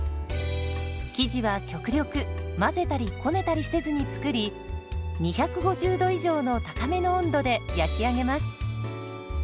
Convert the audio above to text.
生地は極力混ぜたりこねたりせずに作り２５０度以上の高めの温度で焼き上げます。